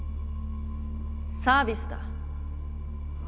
サービスだ。